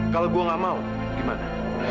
kalau gue gak mau gimana